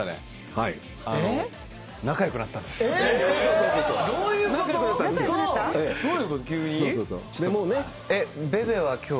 はい。